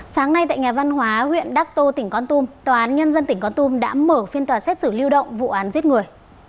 sáng nay tại nhà văn hóa huyện đắc tô tỉnh con tum tòa án nhân dân tỉnh con tum đã mở phiên tòa xét xử lưu động vụ án giết người